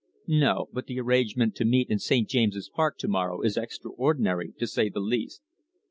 "No; but the arrangement to meet in St. James's Park to morrow is extraordinary, to say the least."